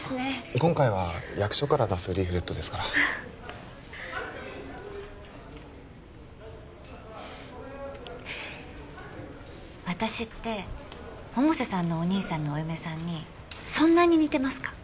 今回は役所から出すリーフレットですから私って百瀬さんのお兄さんのお嫁さんにそんなに似てますか？